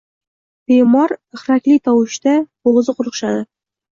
Bemor ihrakli tovushda bo‘g‘zi quruqshadi.